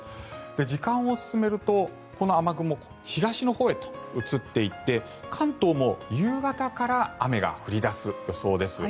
時間を進めると、この雨雲は東のほうへと移っていって関東も夕方から雨が降り出す予想です。